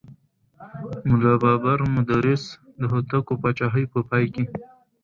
ملا بابړ مدرس د هوتکو پاچاهۍ په پای کې.